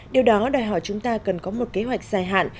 điều đó đòi hỏi chúng ta cần có một kế hoạch dài hạn